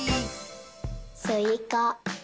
スイカ。